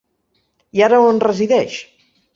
I ara on resideix?